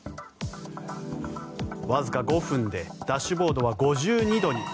わずか５分でダッシュボードは５２度に。